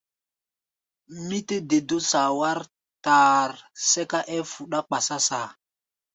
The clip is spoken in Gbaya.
Mí tɛ́ de dó saa wár taar, sɛ́ká ɛ́ɛ́ fuɗá kpasá saa.